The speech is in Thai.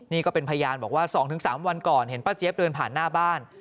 นี่ก็เป็นพยานบอกว่า๒๓วันก่อนเห็นป้าเจี๊ยบเดินผ่านหน้าบ้าน